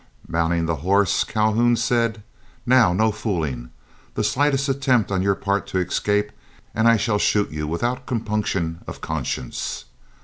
Mounting the horse, Calhoun said, "Now, no fooling. The slightest attempt on your part to escape, and I shall shoot you without compunction of conscience."